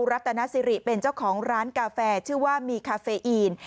รัตนสิริเป็นเจ้าของร้านกาแฟชื่อว่ามีคาเฟอีน